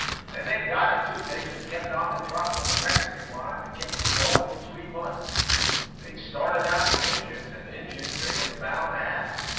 "And they got it, too. They just kep' on the trot for the Mexican line, and kep' a goin' for three months. They 'd started out for Injuns, and Injuns they was bound to have.